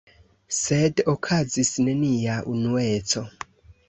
Sed okazis nenia unueco.